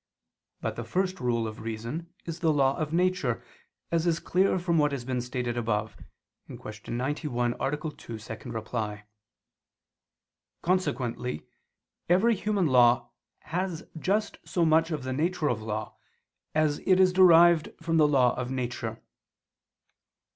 But the first rule of reason is the law of nature, as is clear from what has been stated above (Q. 91, A. 2, ad 2). Consequently every human law has just so much of the nature of law, as it is derived from the law of nature.